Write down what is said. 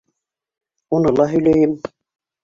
— Уны ла һөйләйем.